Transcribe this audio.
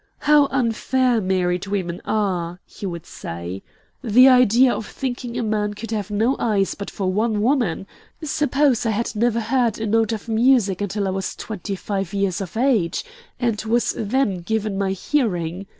"How unfair married women are!" he would say. "The idea of thinking a man could have no eyes but for one woman! Suppose I had never heard a note of music until I was twenty five years of age, and was then given my hearing.